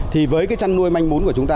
thì với cái chăn nuôi manh muốn của chúng ta